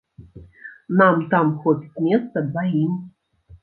Нам там хопіць месца дваім.